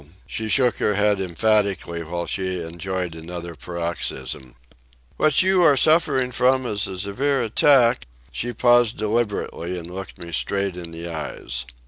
She shook her head emphatically while she enjoyed another paroxysm. "What you are suffering from is a severe attack ..." She paused deliberately, and looked me straight in the eyes.